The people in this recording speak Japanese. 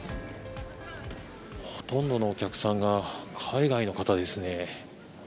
ほとんどのお客さんが海外の方ですね。